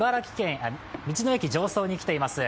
道の駅常総に来ています。